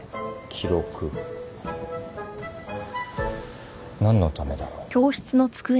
記録。何のためだろう。